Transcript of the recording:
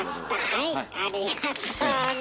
はいありがとうね。